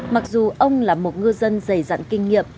mặc dù ông là một ngư dân dày dặn kinh nghiệm